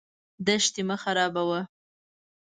دښتې مه خرابوه.